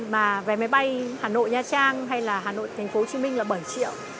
mà vé máy bay hà nội nha trang hay là hà nội thành phố hồ chí minh là bảy triệu